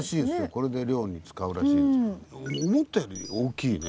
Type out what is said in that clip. これで漁に使うらしいですけど思ったより大きいね。